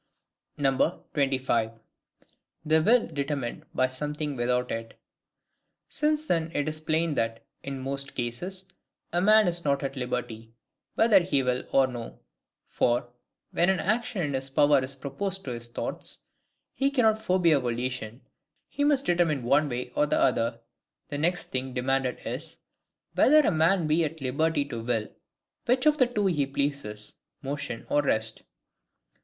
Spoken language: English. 25. The Will determined by something without it. Since then it is plain that, in most cases, a man is not at liberty, whether he will or no, (for, when an action in his power is proposed to his thoughts, he CANNOT forbear volition; he MUST determine one way or the other;) the next thing demanded is,—WHETHER A MAN BE AT LIBERTY TO WILL WHICH OF THE TWO HE PLEASES, MOTION OR REST?